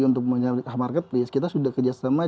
untuk menyalurkan market kita sudah kerja sama